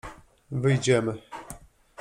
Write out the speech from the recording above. — Wyjdziemy.